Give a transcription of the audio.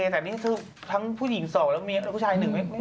แต่นี่คือทั้งผู้หญิงสองแล้วผู้ชายหนึ่ง